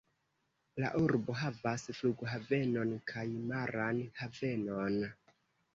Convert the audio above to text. La urbo havas flughavenon kaj maran havenon.